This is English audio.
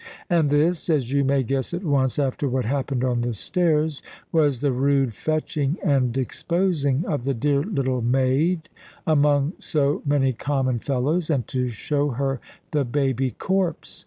And this as you may guess at once, after what happened on the stairs was the rude fetching and exposing of the dear little maid among so many common fellows; and to show her the baby corpse.